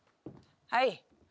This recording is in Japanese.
はい。